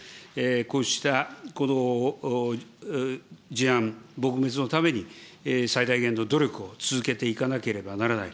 こうした、この事案撲滅のために、最大限の努力を続けていかなければならない。